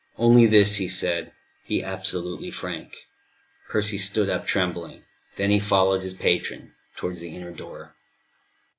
"Only this," he said. "Be absolutely frank." Percy stood up, trembling. Then he followed his patron towards the inner door.